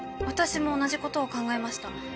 私も同じことを考えました。